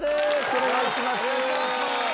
お願いします！